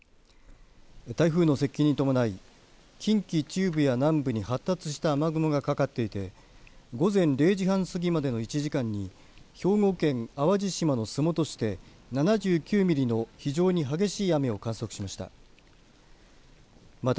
台風の接近に伴い近畿中部や南部に発達した雨雲がかかっていて午前０時半過ぎまでの１時間に兵庫県淡路島の洲本市で７９ミリの非常に激しい雨を観測しました。